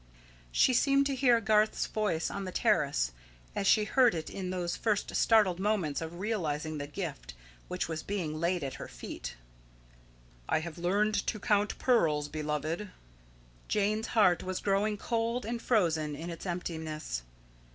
She seemed to hear Garth's voice on the terrace, as she heard it in those first startled moments of realising the gift which was being laid at her feet "I have learned to count pearls, beloved." Jane's heart was growing cold and frozen in its emptiness.